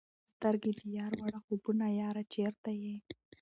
سترګي د یار وړه خوبونه یاره چیرته یې؟